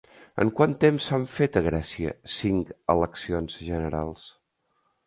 En quant temps s'han fet a Grècia cinc eleccions generals?